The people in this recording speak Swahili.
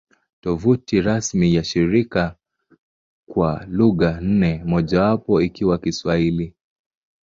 Tovuti rasmi ya shirika kwa lugha nne, mojawapo ikiwa Kiswahili